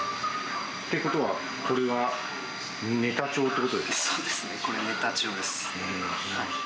ということは、これはネタ帳そうですね、これ、ネタ帳です。